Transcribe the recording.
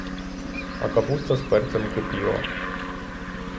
А капуста з перцем кипіла.